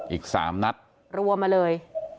อีกสามนัดรวมมาเลย